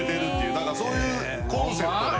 何かそういうコンセプトで。